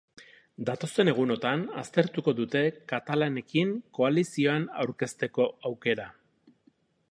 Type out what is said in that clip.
Datozen egunotan aztertuko dute katalanekin koalizioan aurkezteko aukera.